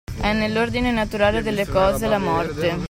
È nell’ordine naturale delle cose, la morte.